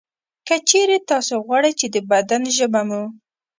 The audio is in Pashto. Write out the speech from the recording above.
که چېرې تاسې غواړئ چې د بدن ژبه مو